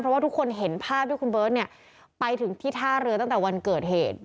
เพราะว่าทุกคนเห็นภาพที่คุณเบิร์ตไปถึงที่ท่าเรือตั้งแต่วันเกิดเหตุ